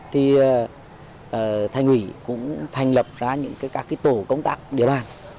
thì thanh ủy cũng thành lập ra các tổ công tác địa bàn